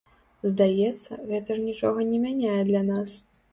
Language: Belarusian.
Здаецца, гэта ж нічога не мяняе для нас.